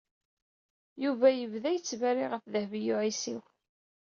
Yuba yebda yettberri ɣef Dehbiya u Ɛisiw.